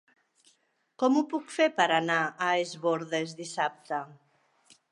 Com ho puc fer per anar a Es Bòrdes dissabte?